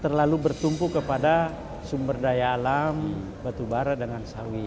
terlalu bertumpu kepada sumber daya alam batu bara dengan sawit